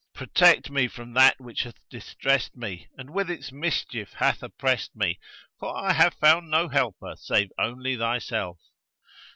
Protect me from that which hath distressed me and with its mischief hath oppressed me, for I have found no helper save only thyself.'